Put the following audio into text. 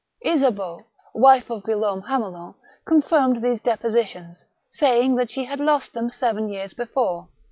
Isabeau, wife of Guillaume Hamelin, confirmed these depositions, saying that she had lost them seven years before.